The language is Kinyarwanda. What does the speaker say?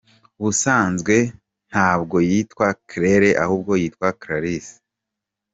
Ubusanzwe ntabwo yitwa Claire ahubwo yitwa Clarisse.